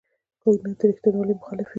کوږ نیت د ریښتینولۍ مخالف وي